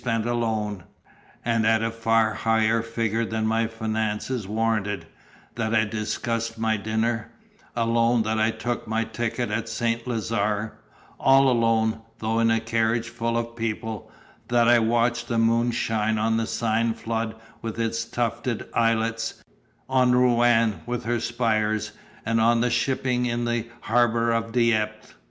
It was alone (and at a far higher figure than my finances warranted) that I discussed my dinner; alone that I took my ticket at Saint Lazare; all alone, though in a carriage full of people, that I watched the moon shine on the Seine flood with its tufted islets, on Rouen with her spires, and on the shipping in the harbour of Dieppe.